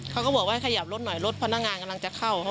ที่มอเตอร์ไซต์มิดประมาณนี้แหละ